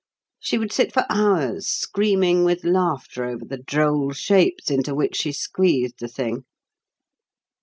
She would sit for hours screaming with laughter over the droll shapes into which she squeezed the thing.